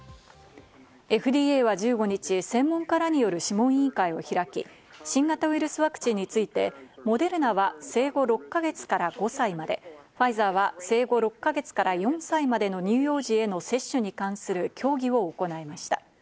ＦＤＡは１５日、専門家らによる諮問委員会を開き、新型ウイルスワクチンについてモデルナは生後６か月から５歳まで、ファイザーは生後６か月から４歳までの乳幼児への接種に関する協議を行いました。